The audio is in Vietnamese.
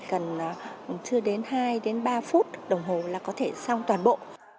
cần chưa đến hai đến ba phút đồng hồ là có thể xong toàn bộ